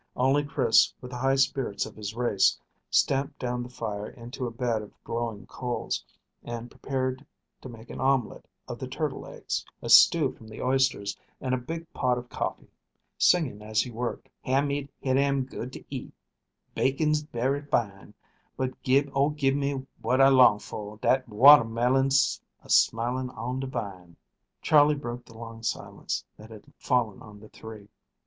Only Chris, with the high spirits of his race, stamped down the fire into a bed of glowing coals, and prepared to make an omelette of the turtle eggs, a stew from the oysters, and a big pot of coffee, singing as he worked, "Ham meat hit am good to eat, Bacon's berry fine, But gib, oh, gib me what I long for, Dat watermilen asmiling on de vine." Charley broke the long silence that had fallen on the three.